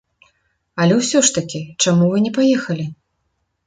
Але ўсё ж такі, чаму вы не паехалі?